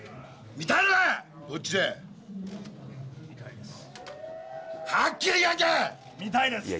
見たいです！